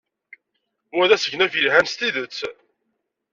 Wa d asegnaf yelhan s tidet.